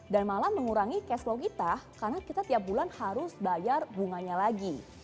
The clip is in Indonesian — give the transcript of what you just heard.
dan malah mengurangi cash flow kita karena kita tiap bulan harus bayar bunganya lagi